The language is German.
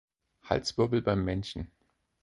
Halswirbel beim Menschen.